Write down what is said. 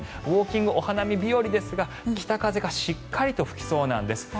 ウォーキングお花見日和ですが北風がしっかりと吹きそうなんです。